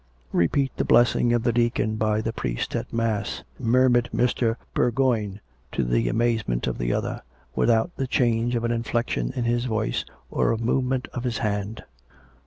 " Repeat the blessing of the deacon by the priest at mass," murmured Mr. Bourgoign to the amazement of the other, without the change of an inflection in his voice or a movement of his hand.